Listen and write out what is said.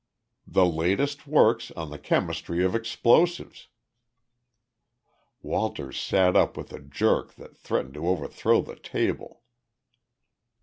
"The latest works on the chemistry of explosives!" Walters sat up with a jerk that threatened to overthrow the table.